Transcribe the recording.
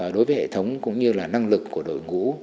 đối với hệ thống cũng như là năng lực của đội ngũ